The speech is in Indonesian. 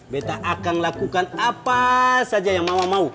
beda akan lakukan apa saja yang mama mau